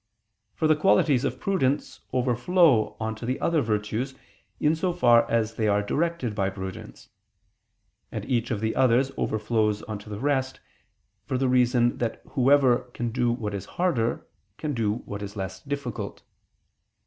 For the qualities of prudence overflow on to the other virtues in so far as they are directed by prudence. And each of the others overflows on to the rest, for the reason that whoever can do what is harder, can do what is less difficult.